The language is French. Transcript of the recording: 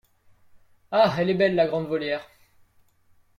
Ah elle est belle, la grande volière !